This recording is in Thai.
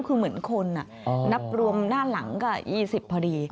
คือเหมือนคนนับรวมด้านหลังก็๒๐พอดี